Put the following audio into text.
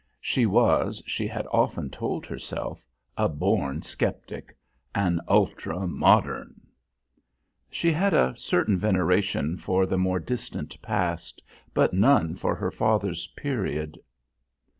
She was, she had often told herself, "a born sceptic; an ultra modern." She had a certain veneration for the more distant past, but none for her father's period.